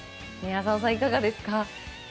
浅尾さん、いかがですか？